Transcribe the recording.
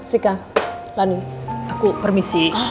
rika lani aku permisi